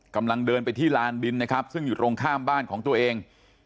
กำลังเดินไปที่ลานดินนะครับซึ่งอยู่ตรงข้ามบ้านของตัวเอง